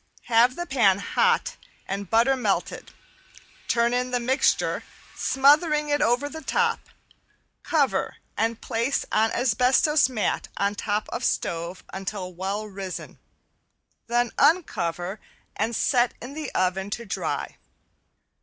Have the pan hot and butter melted, turn in the mixture, smothering it over the top, cover and place on asbestos mat on top of stove until well risen, then uncover and set in the oven to dry.